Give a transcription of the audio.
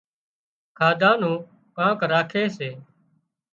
کاڌا نُون ڪانڪ راکي سي